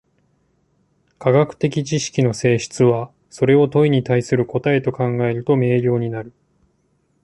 科学的知識の性質は、それを問に対する答と考えると明瞭になる。